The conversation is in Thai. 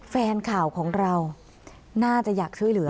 แฟนข่าวของเราน่าจะอยากช่วยเหลือ